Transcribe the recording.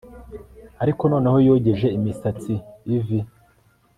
Ariko noneho yogeje imisatsi ivi